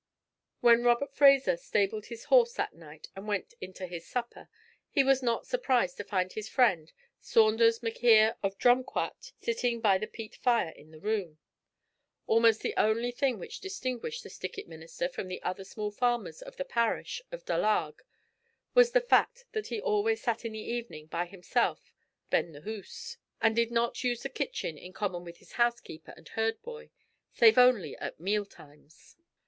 When Robert Fraser stabled his horses that night and went into his supper, he was not surprised to find his friend, Saunders M'Quhirr of Drumquhat, sitting by the peat fire in the 'room.' Almost the only thing which distinguished the Stickit Minister from the other small farmers of the parish of Dullarg was the fact that he always sat in the evening by himself ben the hoose, and did not use the kitchen in common with his housekeeper and herd boy, save only at meal times.